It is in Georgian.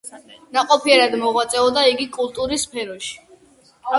ნაყოფიერად მოღვაწეობდა იგი კულტურის სფეროშიც.